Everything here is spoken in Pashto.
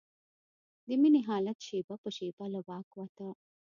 د مينې حالت شېبه په شېبه له واکه وته.